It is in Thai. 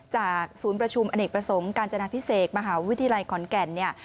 จากศูนย์ประชุมอเนกประสงค์การจนาพิเศษมหาวิทยาลัยขอนแก่นเนี่ย